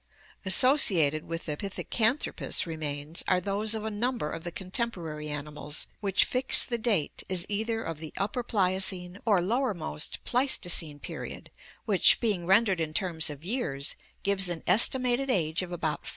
Associated with the Pithecanthropus remains are those of a num ber of the contemporary animals which fix the date as either of the Upper Pliocene or lowermost Pleistocene period, which being rendered in terms of years gives an estimated age of about 500,000!